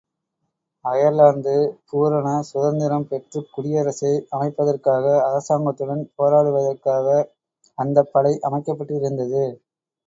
Ireland பூரண சுதந்திரம் பெற்றுக் குடியரசை அமைப்பதற்காக அரசாங்கத்துடன் போராடுவதற்காக அந்தப் படை அமைக்கப்பட்டிருந்தது.